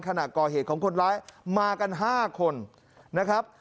ขณะก่อเหตุของคนร้ายมากัน๕คนนะครับ